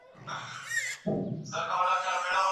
ټولنه به پرمختګ کړی وي.